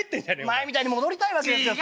前みたいに戻りたいわけですよ。